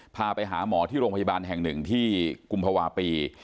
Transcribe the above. พาไปหาหมอที่โรงพยาบาลแห่งหนึ่งที่กุมภาวะปี